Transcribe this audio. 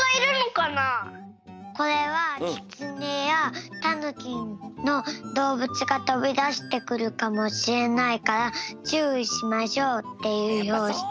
これはキツネやタヌキのどうぶつがとびだしてくるかもしれないからちゅういしましょうっていうひょうしき。